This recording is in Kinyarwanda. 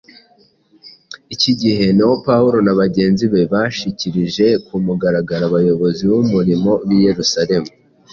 Iki gihe niho Pawulo na bagenzi be bashikirije ku mugaragaro abayobozi b’umurimo b’i Yerusalemu